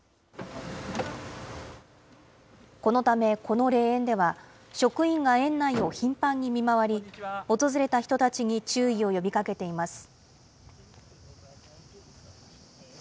このためこの霊園では、職員が園内を頻繁に見回り、訪れた人たちに注意を呼びかけています。